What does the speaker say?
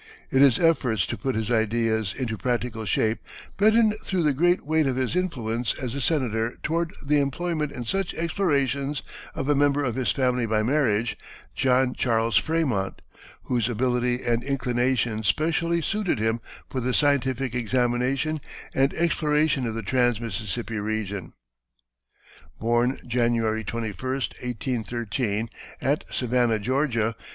In his efforts to put his ideas into practical shape, Benton threw the great weight of his influence as a Senator toward the employment in such explorations of a member of his family by marriage, John Charles Frémont, whose ability and inclinations specially suited him for the scientific examination and exploration of the trans Mississippi region. [Illustration: John Charles Frémont.] Born January 21, 1813, at Savannah, Ga.